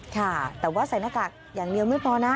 ค่ะแต่ว่าใส่หน้ากากอย่างเดียวไม่พอนะ